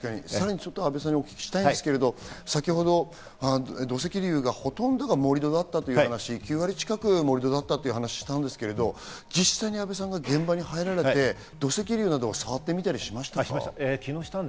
阿部さんにお聞きしたいんですけど、先ほど土石流がほとんどが盛り土だったという話、９割近く盛り土だったという話をしましたが、実際、阿部さんが現場に入られて土石流などは触りましたか？